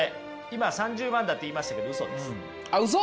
今３０万だって言いましたけどあっウソ？